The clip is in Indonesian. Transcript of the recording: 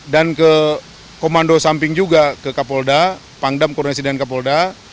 dan ke komando samping juga ke kapolda pangdam koronasi dan kapolda